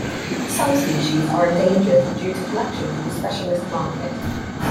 Some species are endangered due to collection for the specialist market.